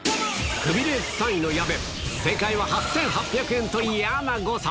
クビレース３位の矢部、正解は８８００円と嫌な誤差。